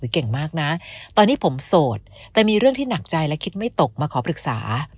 เก่งมากนะตอนนี้ผมโสดแต่มีเรื่องที่หนักใจและคิดไม่ตกมาขอปรึกษา